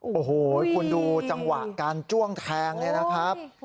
โอ้โหคุณดูจังหวะการจ้วงแทงเนี่ยนะครับ